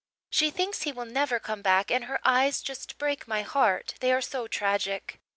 She thinks he will never come back and her eyes just break my heart they are so tragic.